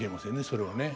それはね。